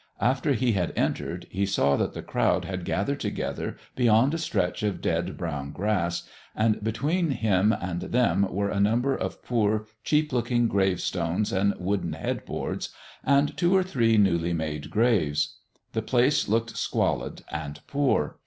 After he had entered he saw that the crowd had gathered together beyond a stretch of dead, brown grass, and between him and them were a number of poor, cheap looking gravestones and wooden head boards and two or three newly made graves. The place looked squalid and poor.